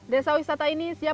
desa wisata ini siap